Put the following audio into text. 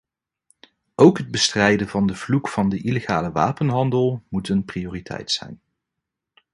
Ook het bestrijden van de vloek van de illegale wapenhandel moet een prioriteit zijn.